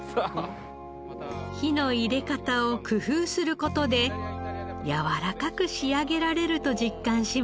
火の入れ方を工夫する事で柔らかく仕上げられると実感しました。